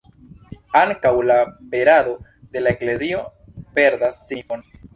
Ankaŭ la perado de la Eklezio perdas signifon.